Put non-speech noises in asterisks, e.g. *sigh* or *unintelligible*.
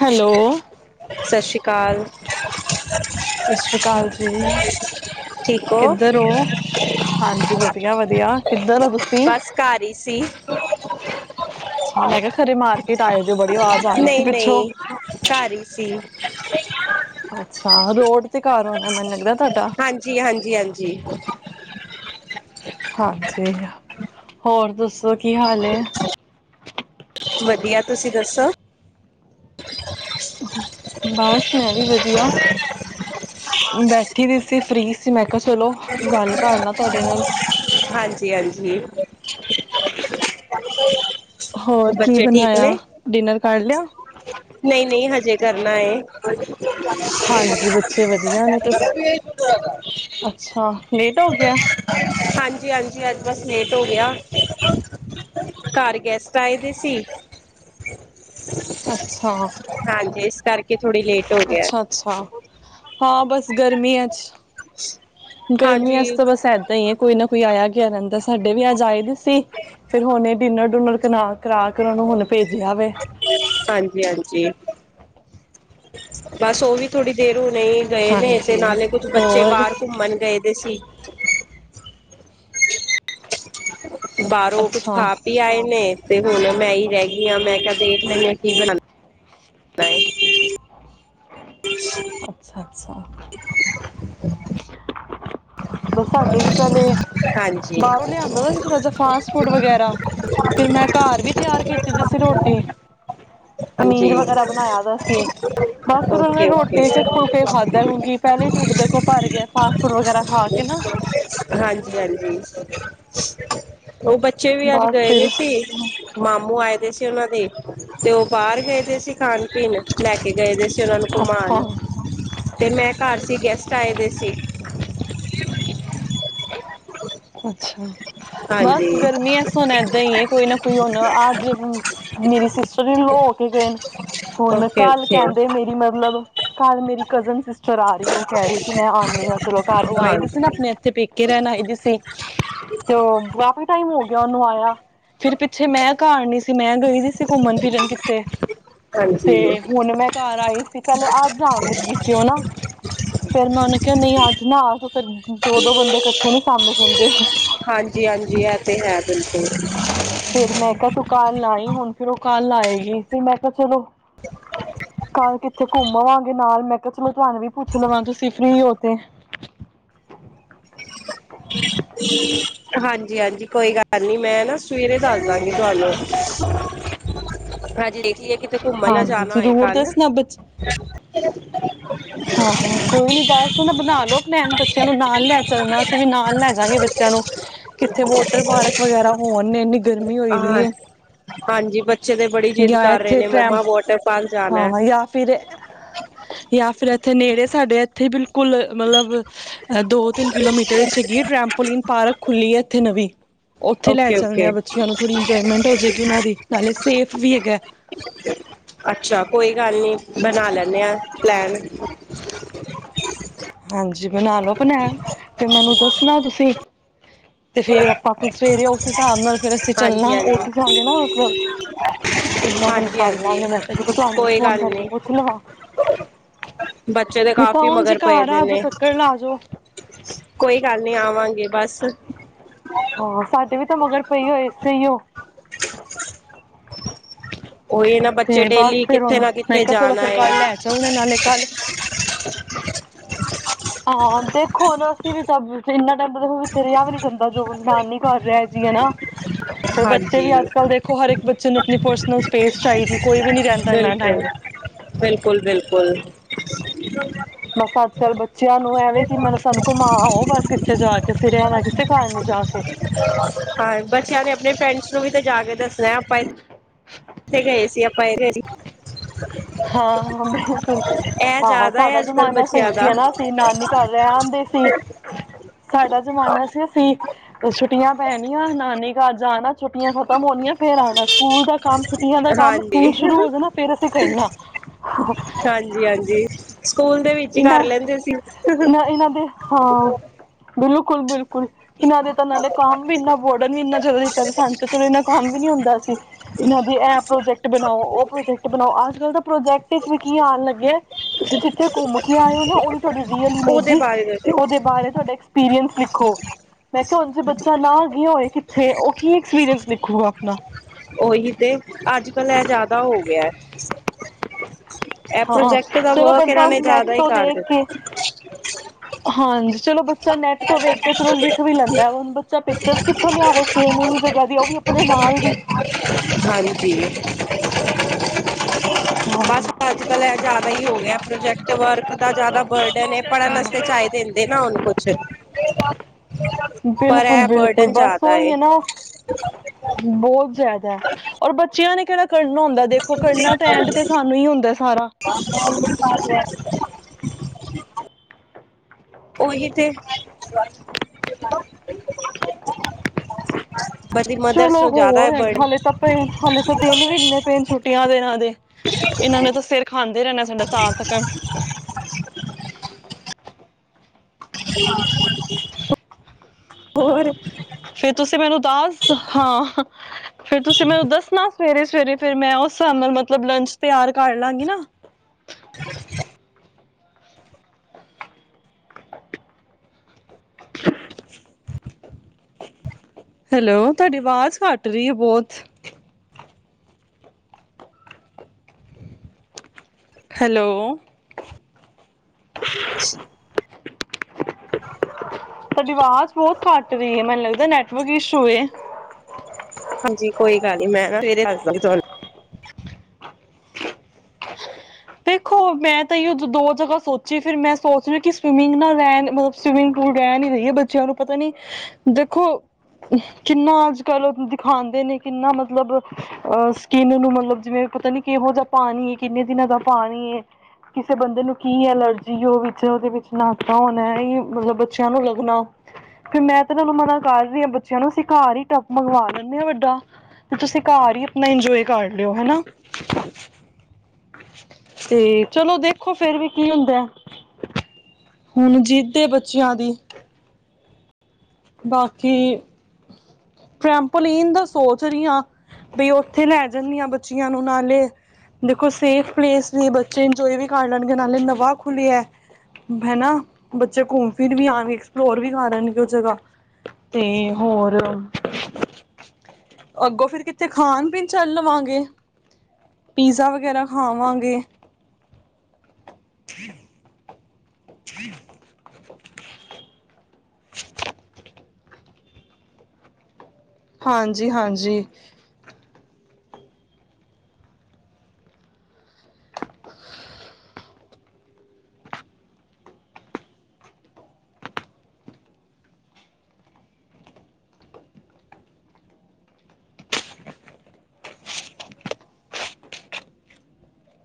Hello ਸਤਿ ਸ਼੍ਰੀ ਅਕਾਲ ਸਤਿ ਸ਼੍ਰੀ ਅਕਾਲ ਜੀ। ਠੀਕ ਹੋ ਕਿੱਧਰ ਹੋ ਹਾਂਜੀ ਵਧੀਆ ਵਧੀਆ ਕਿੱਧਰ ਹੋ ਤੁਸੀ ਬਸ ਘਰ ਹੀ *unintelligible* *unintelligible* *unintelligible* ਆ ਰਹੀ ਸੀ ਨਹੀਂ ਪਿੱਛੋਂ ਨਹੀਂ ਘਰ ਹੀ ਸੀ ਅੱਛਾ ਰੋਡ ਤੇ ਘਰ ਹੋਣਾ ਮੈਨੂੰ ਲੱਗਦਾ ਤੁਹਾਡਾ ਹਾਂਜੀ -ਹਾਂਜੀ- ਹਾਂਜੀ ਹਾਂਜੀ ਹੋਰ ਦੱਸੋ ਕੀ ਹਾਲ ਵਧੀਆ ਤੁਸੀਂ ਦੱਸੋ ਬਸ ਮੈਂ ਵੀ ਵਧੀਆ ਬੈਠੀ ਵੀ ਸੀ ਫ੍ਰਰੀ ਸੀ ਮੈਂ ਕਿਹਾ ਚਲੋ ਗੱਲ ਕਰਲਾ ਤੁਹਾਡੇ ਨਾਲ ਹਾਂਜੀ -ਹਾਂਜੀ ਹੋਰ ਕੀ ਬੱਚੇ ਠੀਕ ਬਣਾਇਆ ਨੇ ਡਿਨਰ ਕਰ ਲਿਆ ਨਹੀ- ਨਹੀ ਹਜੇ ਕਰਨਾ ਹਾਂਜੀ ਬੱਚੇ ਵਧੀਆ ਨੇ ਤੁਸੀਂ ਅੱਛਾ ਲੇਟ ਹੋ ਗਿਆ ਹਾਂਜੀ ਹਾਂਜੀ- ਹਾਂਜੀ ਅੱਜ ਬਸ ਲੇਟ ਹੋ ਗਿਆ। ਘਰ ਗੈਸਟ ਆਏ ਦੇ ਸੀ ਅੱਛਾ- ਹਾਂਜੀ ਇਸ ਕਰਕੇ ਥੋੜੀ ਲੇਟ ਹੋ ਗਿਆ। ਅੱਛਾ ਅੱਛਾ ਹਾਂ ਬਸ ਗਰਮੀ ਹੈ। ਚ' ਗਰਮੀ ਹਾਂਜੀ ਆਸ ਤਾਂ ਬਸ ਐਦ ਹੀ ਹੈ। ਕੋਈ ਨਾ ਕੋਈ ਆਇਆ ਗਿਆਦਾ ਸਾਡੇ ਵੀ ਅੱਜ ਆਈ ਦ ਸੀ ਫਿਰ ਹੁਣੇ ਡਿਨਰ ਡੁਨਰ ਕਰਾ ਕੇ ਉਹ ਨੂੰ ਹੁਣ ਭੇਜਿਆ ਵੇ ਹਾਂਜੀ -ਹਾਂਜੀ ਬਸ ਉਹ ਵੀ ਥੋੜ੍ਹੀ ਦੇਰ ਹੋ ਰ ਨਹੀਂ ਗਏ ਨੇ ਤੇ ਹਾਂਜੀ ਨਾਲੇ ਕੁੱਝ ਬੱਚੇ ਹੋਰ ਬਾਹਰ ਘੁੰਮਣ ਗਏ ਤੇ ਸੀ ਬਾਹਰੋਂ ਕੁਛ ਅੱਛਾ ਖਾ ਪੀ ਆਏ ਨੇ ਤੇ ਹੁਣ ਮੈਂ ਹੀ ਰਹਿ ਗਈ ਹਾਂ ਮੈਂ ਕ ਦੇ ਦੇਖ ਲੈਂਦੀ ਹ ਕੀ ਬਣਦੀ *unintelligible* *unintelligible* ਬਸ ਸਾਡੇ ਵੀ ਪਹਿਲੇ ਹਾਂਜੀ ਬਾਹਰੋਂ ਲਿਆਂਦਾ ਸੀ ਥੋੜਾ ਜਹਾ ਫਾਸਟ ਫੂਡ ਵਗੈਰਾ ਫਿਰ ਮੈਂ ਘਰ ਵੀ ਤਿਆਰ ਕੀਤੀ ਦੀ ਸੀ ਰੋਟੀ ਪਨੀਰ ਹਾਂਜੀ ਵਗੈਰਾ ਬਣਾਇਆ ਦਾ ਸੀ ਬਸ ਫਿਰ ਉਹਨਾਂ ਓਕੇ ਨੇ ਰੋ ਓਕੇ ਇੱਕੋ ਹੀ ਫੁਲਕਾ ਖਾਧਾ ਕਿਉਂਕੀ ਪਹਿਲੇ ਢਿੱਡ ਦੇਖੋ ਭਰ ਗਿਆ *unintelligible* ਖਾ ਕੇ ਨਾ ਹਾਂਜੀ ਹਾਂਜੀ *inaudible* ਉਹ ਬੱਚੇ ਵੀ ਅੱਜ ਬਸ ਗਏ ਦੇ ਫਿਰ ਸੀ ਮਾਮੂ ਆਏ ਪੇ ਸੀ ਉਹਨਾਂ ਦੇ ਤੇ ਉਹ ਬਾਹਰ ਗਏ ਤੇ ਸੀ ਖਾਣ ਫਿਰ ਲੈ ਕੇ ਗਏ ਦੇ ਸੀ ਉਹਨਾਂ ਨੂੰ ਘੁਮਣ ਅੱਛਾ ਤੇ ਮੈਂ ਘਰ ਸੀ ਗੈਸਟ- ਚਾਹੀਦੇ ਸੀ ਅੱਛਾ ਬਸ ਹਾਂਜੀ ਗਰਮੀਆਂ ਸੁ ਹੋਣ ਏਦਾਂ ਹੀ ਹੈ ਕੋਈ ਨਾ ਕੋਈ ਹੁਣ ਆਜ ਮੇਰੀ ਸਿਸਟਰ ਵੀ ਲੋ ਹੋ ਕੇ ਗਏ ਨ ਹੁਣੈਂ ਓਕੇ ਕੱਲ ਓਕੇ ਕਹਿੰਦੇ ਮੇਰੀ ਮਤਲਬ ਕੱਲ੍ਹ ਮੇਰੀ ਕਜ਼ਨ ਸਿਸਟਰ ਆ ਉਹ ਕਹਿ ਰਹੀ ਕਿ ਮੈਂ ਆਉਂਦੀ ਹਾਂ ਚਲੋ ਘਰ ਉਹ ਆਈ ਦੀ ਸੀ ਨਾ ਹਾਂਜੀ ਆਪਣੇ ਇੱਥੇ ਪੇਕੇ ਰਹਿਣ ਆਈ ਦੀ ਸੀ। ਤੇ ਉਹ ਕਾਫੀ ਟਾਈਮ ਹੋ ਗਿਆ ਉਹਨੂੰ ਆਇਆ ਫਿਰ ਪਿੱਛੇ ਮੈਂ ਘਰ ਨੀ ਸੀ ਮੈਂ ਗਈ ਸੀ ਸੀ ਘੁੰਮਣ ਫਿਰਨ ਕਿੱਥੇ ਤੇ ਹਾਂਜੀ ਹੁਣ ਮੈਂ ਘਰ ਆਈ ਸੀ ਪਹਿਲੇ ਆਹ ਜਾਣ ਲੱਗੀ ਸੀ ਉਹ ਨਾ ਫੇਰ ਮੈਂ ਉਹਨੇ ਕਿਹਾ ਨਹੀਂ ਅੱਜ ਨਾ ਆ ਤ ਫੇਰ ਦੋ ਦੋ ਬੰਦੇ ਇਕੱਠੇ ਨੀ ਸਾਮੇ ਜਾਦੇ ਹਾਂਜੀ ਹਾਂਜੀ ਇਹ ਤੇ ਹੈ ਬਿਲਕੁਲ ਫੇਰ ਮੈਂ ਕਿਹਾ ਤੂੰ ਕੱਲ ਆਈ ਹੁਣ ਫਿਰ ਉਹ ਕੱਲ ਆਏਗੀ ਫਰ ਮੈਂ ਕਿਹਾ ਚਲੋ ਕੱਲ ਕਿੱਥੇ ਘੁੰਮਵਾਂਗੇ ਨਾਲ ਮੈਂ ਕਿਹਾ ਚਲੋ ਤੁਹਾਨੂੰ ਵੀ ਪੁੱਛ ਲਵਾਂ ਤੁਸੀਂ ਫ੍ਰੀ ਹੋ ਤੇ ਹਾਂਜੀ ਹਾਂਜੀ ਕੋਈ ਗੱਲ ਨੀ ਮੈਂ ਨਾ ਸਵੇਰੇ ਦੱਸ ਦਾਗੇ ਤੁਹਾਨੂੰ ਹਾਂਜੀ ਦੇਖ ਲਈਏ ਕਿ ਤੇ ਘੁੰਮਣ ਲ ਹਾਂਜੀ ਜਾਣਾ ਏ ਜ਼ਰੂਰ ਕੱਲ *inaudible* ਦੱਸਣਾ ਬੱਚ ਹਾਂ ਹਾਂ ਕੋਈ ਨੀ ਬਸ ਨਾ ਬਣਾ ਲਓ ਪਲੇਨ ਬੱਚਿਆਂ ਨੂੰ ਨਾਲ ਲੈ ਚੱਲਣਾ ਅਸੀਂ ਵੀ ਨਾਲ ਲੈ ਚਲਾਗੇ ਬੱਚਿਆਂ ਨੂੰ ਕਿੱਥੇ ਵੋਟਰ ਪਾਰਕ ਵਗੈਰਾ ਹੋਣ ਨੇ ਇੰਨੀ ਗਰਮੀ ਹੋਈ ਹਾਂ ਪੀ ਐ ਹਾਂਜੀ ਬੱਚੇ ਤੇ ਬੜੀ ਜਿੱਦ ਕਰ ਰਹੇ ਨੇ ਟਰੈਂਪ ਮੰਮਾ ਵੋਟ ਹਾਂ ਜਾਂ ਫਿਰ ਜਾਂ ਫਿਰ ਇੱਥੇ ਨੇੜੇ ਸਾਡੇ ਇੱਥੇ ਹੀ ਬਿਲਕੁਲ ਕੁੱਲ ਮਤਲਬ ਦੋ ਤਿੰਨ ਕਿਲੋਮੀਟਰ ਹੈਗੀ ਟਰੈਂਪੋਲੀਨ ਪਾਰਕ ਖੁੱਲੀ ਹੈ ਇੱਥੇ ਨਵੀਂ ਉੱਥੇ ਲੈ ਓਕੇ ਚੱਲਦੇ ਓਕੇ ਆਂ ਬੱਚਿਆਂ ਨੂੰ ਥੋੜ੍ਹੀ ਇੰਜੋਏਮੈਂਟ ਹੋ ਜਾਵੇਗੀ ਉਹ ਦੀ ਨਾਲੇ ਸੇਫ ਵੀ ਹੈਗਾ। ਅੱਛਾ ਕੋਈ ਗੱਲ ਨਹੀਂ ਬਣਾ ਲੈਂਦੇ ਹਾਂ ਪਲੈਨ *inaudible* ਹਾਂਜੀ ਬਣਾ ਲਓ ਬਣਾੈ ਤੇ ਮੈਨੂੰ ਦੱਸ ਸੁਣਾ ਤੁਸੀਂ ਤੇ ਫੇਿਰ ਆਪਾਂ ਸਵੇਰੇ ਉਸ ਹਿਸਾਬ ਨਾਲ ਫਿਰ ਅਸੀਂ ਚੱਲਾਂ ਹਾਂਜੀ ਉਠ ਹਾਂਜੀ ਲਾਂਗੇ ਨਾ ਮਤਲਬ ਤਿੰਨੋ ਹਾਂਜੀ ਕਰ ਹਾਂਜੀ ਲਾਂਗੇ ਮੈਂ ਕਿਹਾ ਚਲੋ ਤੁਹਾਨੂੰ ਵੀ ਕੋਈ ਫੋਨ ਗੱਲ ਕਰਕੇ ਨੀ ਪੁੱਛ ਲਵਾਂ ਬੱਚੇ ਤੇ ਨੀਤਾ ਕਾਫੀ ਹੁਣ ਜੇ ਮਗਰ ਪਏ ਘਰ ਦੇ ਆ ਜਾਓ ਨੇ ਚੱਕਰ ਲਾਜਓ ਕੋਈ ਗੱਲ ਨੀ ਆਵਾਂਗੇ ਬਸ ਹਾਂ ਸਾਡੇ ਵੀ ਤਾਂ ਮਗਰ ਪਈ ਹੋ ਇਸਏੇ ਹੀ ਉਹੀ ਨਾ *inaudible* ਤੇ ਬੱਚੇ ਬਸ ਡੇਲੀ ਫੇਿਰ ਕਿੱਥੇ ਉਹਨੂੰ ਨਾ ਮੈਂ ਕਿੱਥੇ ਕਿਹਾ ਚਲੋ ਜਾਣਾ ਫਰ ਹੈ ਕੱਲ ਲੈ ਚਲਣੇ ਨਾਲੇ ਕੱਲ ਹਾਂ ਦੇਖੋ ਹੁਣ ਅਸੀਂ ਵੀ ਤਾਂ ਇੰਨਾ ਟਾਈਮ ਦੇਖ ਇੱਥੇ ਰਿਹਾ ਵੀ ਨੀ ਜਾਂਦਾ ਜੋ ਮਾਨੀ ਕਰ ਰਿਹਾ ਜੀ ਹੈ ਨਾ ਫਿਰ ਬੱਚੇ ਵੀ ਹਾਂਜੀ ਅੱਜ ਕੱਲ੍ਹ ਦੇਖੋ ਹਰ ਇੱਕ ਬੱਚੇ ਨੂੰ ਆਪਣੀ ਪਰਸਨਲ ਸਪੇਸ ਚਾਹੀਦੀ ਕੋਈ ਵੀ ਨਹੀਂ ਰਹਿੰਦਾ ਇੰਨਾ ਟਾਈਮ ਬਿਲਕੁਲ ਬਿਲਕੁਲ ਬਿਲਕੁਲ ਬਸ ਅੱਜ ਕੱਲ ਬ ਬੱਚਿਆਂ ਨੂੰ ਐਵੇਂ ਕਿ ਮੈਨੂੰ ਸਾਨੂੰ ਘੁਮਾਓ ਬਸ ਕਿੱਥੇ ਜਾ ਕੇ ਸਿਰਿਆ ਨਾ ਕਿਸੇ ਕਾਰ ਨੀ ਜਾ ਕੇ ਹਾਂ ਬੱਚਿਆਂ ਨੇ ਆਪਣੇ ਫਰੈਂਡਸ ਨੂੰ ਥੇ ਗਏ ਸੀ ਆਪਾਂ ਇਹਦੇ ਜੀ ਹਾ ਬਿਲਕੁਲ ਇਹ ਹਾਂ ਜ਼ਿਆਦਾ ਹੈ ਸਾਡਾ ਅੱਜ ਕੱਲ੍ਹ ਜ਼ਮਾਨਾ ਸਹੀ ਬੱਚਿਆਂ ਦਾ ਸੀ ਨਾ ਅਸੀਂ ਨਾਨੀ ਘਰ ਰਹਿ ਆਦੇ ਸੀ ਸਾਡਾ ਜ਼ਮਾਨਾ ਸੀ ਅਸੀਂੁ ਛੁੱਟੀਆਂ ਪੈਣੀਆਂ ਨਾਨੀ ਘਰਜ ਆਣਾ ਛੁੱਟ ਖਤਮ ਹੋਣੀਆਂ ਫੇਰ ਆਉਦਾ ਸਕੂਲ ਦਾ ਕੰਮ ਛੁੱਟੀਆਂ ਦਾ ਕੰਮ ਸਕੂਲ ਹਾਂਜੀ ਸ਼ੁਰੂ ਹੋ ਜਾਣਾ ਫੇਰ ਅਸੀਂ ਕਰਨਾ ਹਾਂਜੀ ਹਾਂਜੀ ਸਕੂਲ ਦੇ ਵਿੱਚ ਹੀ ਕਰ ਇਹਨਾਂ ਲੈਂਦੇ ਸੀ ਇਹਨਾਂ ਇਹਨਾਂ ਦੇ ਹਾਂ ਬਿਲਕੁਲ ਬਿਲਕੁਲ ਇਹਨਾਂ ਦੇ ਤਾਂ ਨਾਲੇ ਕੰਮ ਵੀ ਇੰਨਾ ਇੰੋਰਟਟ ਵੀ ਇਨਾ ਜ਼ਿਆਦਾਤਾ ਸਨ ਤੇ ਚੋ ਇਨਾ ਕੰਮ ਵੀ ਨੀ ਹੁੰਦਾ ਸੀ ਇਹਨਾਂ ਦੇ ਇਹ ਪ੍ਰੋਜੈਕਟ ਬਣਾਓ ਉਹ ਪ੍ਰੋਜੈਕਟ ਬਣਾਓ ਅੱਜ ਕੱਲ ਤਾਂ ਪ੍ਰੋਜੈਕਟ ਵਿਚ ਵੀ ਕੀ ਆਉਣ ਲੱਗਿਆ ਤੁਸੀਂ ਜਿੱਥੇ ਰ ਬ ਬ ਬ ਸਿੱਖੋ ਉਹਦੇ ਬਾਰੇ ਦੇ ਮੈਂ ਕਿਹਾ ਹੁਣ ਜੇ ਬੱਚਾ ਨਾ ਆ ਗਿਆਿਆ ਹੋਏ ਉਹ ਕੀ ਐਕਸਪੀਰੀਅੰਸ ਲਿਖੂਗਾ ਆਪਣਾ ਉਹੀ ਤੇ ਅੱਜ ਕਲ੍ਹ ਇਹ ਜ਼ਿਆਦਾ ਹੋ ਗਿਆ ਇਹ ਹਾਂ ਪ੍ਰੋਜੈਕਟ ਦਾ ਚਲੋ ਵਰਕ ਬੰਦਾ ਇਹਨਾਂ ਨੇ ਨੈਟ ਜ਼ਿਆਦਾ ਹੀ ਤੋਂ ਕਰ ਦੇਖ ਕੇ ਦਿੱਤਾ ਹਾਂਜੀ ਚਲੋ ਬ ਬਾ ਨੈੱਟ ਤੋਂ ਵੇਖ ਚਲੋ ਲਿਖ ਵੀ ਲੈਂਦਾ ਹੁਣ ਬੱਚਾ ਪਿਕਚਰ ਕਿੱਥੋਂ ਲਿਆਵੇ ਸੇਮ ਜਗ੍ਹਾ ਦੀ ਉਹ ਵੀ ਆਪਣੇ ਨਾਲ ਦੀ ਹਾਂਜੀ ਹਾਂ ਬੱਸ। ਅੱਜ, ਕੱਲ ਇਹ ਜ਼ਿਆਦਾ ਹੀ ਹੋ ਗਿਆ ਪ੍ਰੋਜੈਕਟ ਦਬਾਰਕ ਜ਼ਿਆਦਾ ਬਰਡਨੇ, ਪੜਨ ਹਾਂ ਵਾਸਤੇ ਚਾਹੀਦੇ ਹਿੰਦੇ ਨਾ ਹੂੰਨ ਪੁਛ ਬਿਲਕੁਲ, ਬਿਲਕੁਲ। ਬਸ ਉਹੀ ਏ ਹੈ ਨਾ ਬਹੁਤ ਜ਼ਿਆਦਾ ਔਰ ਬੱਚਿਆਂ ਨੇ ਕਿਹੜਾ ਕਰਨਾ ਹੁੰਦਾ ਦੇਖੋ, ਕਰਨਾ ਤਾਂ, ਐਂਡ ਤੇ ਸਾਨੂੰ ਹੀ ਹੁੰਦਾ। ਸਾਰਾ ਹਾਂ। *unintelligible* ਉਹੀ ਤੇ। ਬਸ ਦੀ ਚਲੋ ਮਦਰਸ ਨੂੰ ਜ਼ਿਆਦਾ ਹੋਰ ਹੈ ਬਰਡਨ ਹਾਲੇ ਤਾਂ, ਪੈ ਹਾਲੇ ਤਾਂ, ਦਿਨ ਵੀ ਇੰਨੇ ਪਏ ਨੇ ਛੁੱਟੀਆਂ ਦੇ ਇਹਨਾ ਦੇ। ਇਹਨਾਂ ਨੇ ਤਾਂ ਸਿਰ *unintelligible* ਖਾਂਦੇ ਰਹਿਣਾ ਸਾਡਾ ਤਾਂ ਤੱਕ ਹੋਰ? ਫੇਰ ਤੁਸੀਂ ਮੈਨੂੰ ਤਾਸ ਹਾਂ। ਫੇਰ ਤੁਸੀਂ ਮੈਨੂੰ ਦੱਸਣਾ ਸਵੇਰੇ-ਸਵੇਰੇ ਫੇਰ, ਮੈਂ ਉਹ ਸਾਬ ਨਾਲ ਮਤਲਬ ਲੰਚ ਤਿਆਰ ਕਰ ਲਾਂਗੀ ਨਾ। *unintelligible* *unintelligible* ਹੈਲੋ। ਤੁਹਾਡੀ ਆਵਾਜ਼ ਘੱਟ ਰਹੀ ਹੈ, ਬਹੁਤ। ਹੈਲੋ। *unintelligible* ਸਾਡੀ ਆਵਾਜ਼ ਬਹੁਤ ਘੱਟ ਰਹੀ ਹੈ। ਮੈਨੂੰ ਲੱਗਦਾ ਨੈਟਵਰਕ ਇਸ਼ੂ। ਹਾਂਜੀ। ਕੋਈ ਗੱਲ ਨੀ ਮੈਂ ਸਵੇਰੇ ਦੱਸਦੀ ਤੁਹਾਨੂੰ। ਦੇਖੋ ਮੈਂ ਤਾਂ ਦੋ ਜਗ੍ਹਾ ਸੋਚੀ ਫਿਰ, ਮੈਂ ਸੋਚ ਰਹੀ ਕਿ ਸਵੀਮਿੰਗ ਨਾਲ ਰਹਿਣ ਮਤਲਬ ਸਵੀਮਿੰਗ ਪੂਲ ਰਹਿਣ ਹੀ ਰਹੀ ਹੈ ਬੱਚਿਆਂ ਨੂੰ ਪਤਾ ਨੀ ਦੇਖੋ ਕਿੰਨਾ ਅੱਜ-ਕੱਲ ਦਿਖਾਉਂਦੇ ਨੇ ਕਿੰਨਾ ਮਤਲਬ ਅਹ ਸਕਿੰਨ ਨੂੰ ਮਤਲਬ ਜਿਵੇਂ ਪਤਾ ਨੀ ਕਿਹੋ ਜਿਹਾ ਪਾਣੀ ਕਿੰਨੇ ਦਿਨਾਂ ਦਾ ਪਾਣੀ ਏ, ਕਿਸੇ ਬੰਦੇ ਨੂੰ ਕੀ ਐਲਰਜੀ ਉਹ ਵਿੱਚ ਉਹਦੇ ਵਿੱਚ ਨਾਤਾ ਹੋਣਾ, ਇਹ ਮਤਲਬ ਬੱਚਿਆਂ ਨੂੰ ਲੱਗਣਾ ਫਿਰ ਮੈਂ ਤੇ, ਨਾਲੂੰ ਮਨਾ ਕਰ ਰਹੀ ਹਾਂ ਬੱਚਿਆਂ ਨੂੰ ਅਸੀਂ ਘਰ ਹੀ ਟੱਪ ਮੰਗਵਾ ਦਿੰਦੇ ਹਾਂ, ਵੱਡਾ ਤੇ ਤੁਸੀਂ ਘਰ ਹੀ ਆਪਣਾ ਇੰਜੋਏ ਕਰ ਲਿਓ ਹਨਾ। ਤੇ ਚਲੋ ਦੇਖੋ ਫੇਰ ਵੀ ਕੀ ਹੁੰਦਾ ਹੈ, ਹੁਣ ਜੀਦੇ ਬੱਚਿਆਂ ਦੀ। ਬਾਕੀ ਟੈਂਪਲ ਇਹਦਾ ਸੋਚ ਰਹੀ ਹਾਂ ਬਈ ਉੱਥੇ ਲੈ ਜਾਂਦੀ ਹ ਬੱਚਿਆਂ ਨੂੰ ਨਾਲੇ--ਦੇਖੋ ਸੇਫ ਪਲੇਸ ਨੇ, ਬੱਚੇ ਇੰਜੋਏ ਵੀ ਕਰ ਲੈਣਗੇ ਨਾਲੇ ਨਵਾਂ ਖੁੱਲਿਆ ਹਨਾ ਬੱਚੇ ਘੁੰਮ ਫਿਰ ਵੀ ਆਉਣਗੇ, ਐਕਸਪਲੋਰ ਵੀ ਕਰ ਲਣਗੇ ਉਹ ਜਗ੍ਹਾ। ਤੇ ਹੋਰ ਅੱਗੋਂ ਫਿਰ ਕਿਥੇ ਖਾਣ ਪੀਣ ਚੱਲ ਲਵਾਂਗੇ। ਪੀਜ਼ਾ ਵਗੈਰਾ ਖਾਵਾਂਗੇ। *unintelligible* *unintelligible* *unintelligible* ਹਾਂਜੀ-ਹਾਂਜੀ।